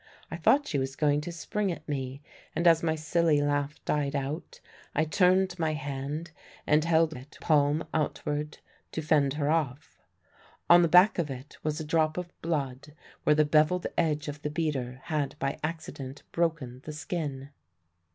I thought she was going to spring at me, and as my silly laugh died out I turned my hand and held it palm outward, to fend her off. On the back of it was a drop of blood where the bevelled edge of the beater had by accident broken the skin.